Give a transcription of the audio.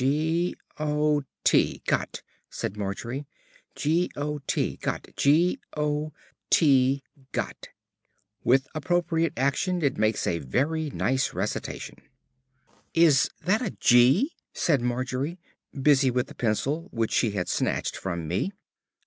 '" "G o t, got," said Margery. "G o t, got. G o t, got." "With appropriate action it makes a very nice recitation." "Is that a 'g'?" said Margery, busy with the pencil, which she had snatched from me.